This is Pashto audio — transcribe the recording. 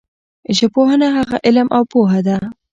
ژبپوهنه هغه علم او پوهه ده